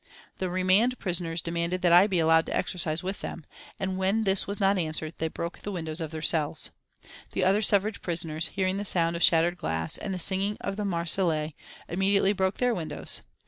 The remand prisoners demanded that I be allowed to exercise with them, and when this was not answered they broke the windows of their cells. The other suffrage prisoners, hearing the sound of shattered glass, and the singing of the Marseillaise, immediately broke their windows.